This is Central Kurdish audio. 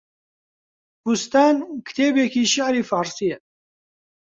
بووستان، کتێبێکی شێعری فارسییە